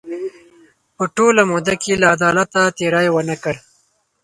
په ټوله موده کې له عدالته تېری ونه کړ.